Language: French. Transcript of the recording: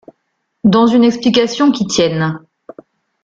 Dans une explication qui tienne.